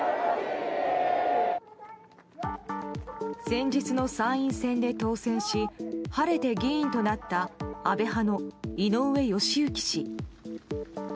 先日の参院選で当選し晴れて議員となった安倍派の井上義行氏。